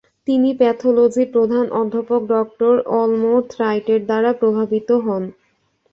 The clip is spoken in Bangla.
তিনি প্যাথোলজির প্রধান অধ্যাপক ড. আলমোর্থ রাইটের দ্বারা প্রভাবিত হন।